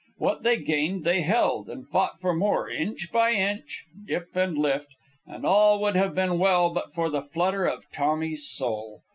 What they gained they held, and fought for more, inch by inch, dip and lift; and all would have been well but for the flutter of Tommy's soul.